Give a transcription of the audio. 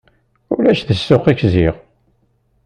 Ulac deg ssuq-ik ziɣ!